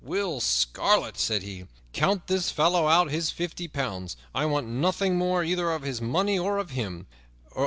"Will Scarlet," said he, "count this fellow out his fifty pounds; I want nothing more either of his money or of him.